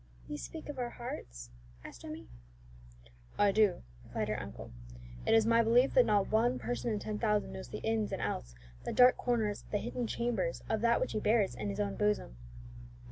"You speak of our hearts?" asked Emmie. "I do," replied her uncle. "It is my belief that not one person in ten thousand knows the ins and outs, the dark corners, the hidden chambers, of that which he bears in his own bosom."